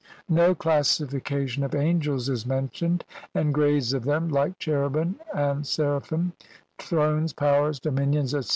No classification of angels is mentioned, and grades of them like Cherubim, and Seraphim, Thrones, Powers, Dominions, etc.